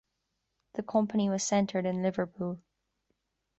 The company was centred in Liverpool.